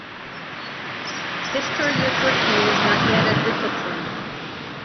Historiography was not yet a discipline.